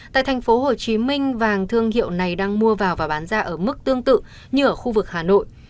tại tp hcm vàng thương hiệu này đang mua vào và bán ra ở mức tương tự như ở khu vực hà nội